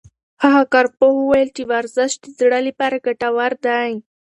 هغه کارپوه وویل چې ورزش د زړه لپاره ګټور دی.